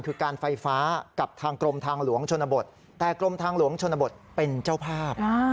คือการไฟฟ้ากับทางกรมทางหลวงชนบทแต่กรมทางหลวงชนบทเป็นเจ้าภาพ